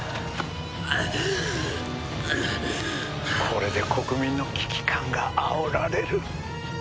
これで国民の危機感があおられる。